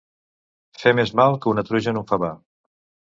Fer més mal que una truja en un favar.